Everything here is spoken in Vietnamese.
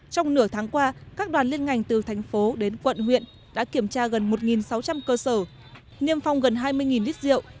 trong nửa tháng qua các đoàn liên ngành từ thành phố đến quận huyện đã kiểm tra gần một sáu trăm linh cơ sở niêm phong gần hai mươi lít rượu